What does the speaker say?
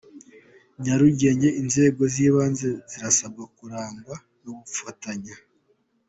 Nyarugenge Inzego z’Ibanze zirasabwa kurangwa n’ubufatanye